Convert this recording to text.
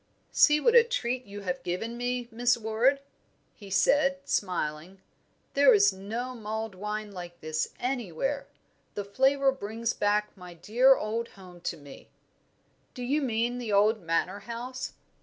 "See what a treat you have given me, Miss Ward!" he said, smiling. "There is no mulled wine like this anywhere. The flavour brings back my dear old home to me." "Do you mean the old Manor House?"